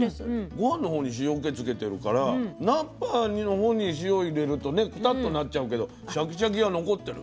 ごはんのほうに塩気つけてるから菜っぱのほうに塩入れるとねクタッとなっちゃうけどシャキシャキが残ってる。